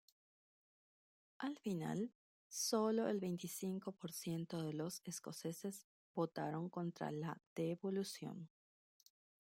Al final, sólo el veinticinco por ciento de los escoceses votaron contra la "devolución".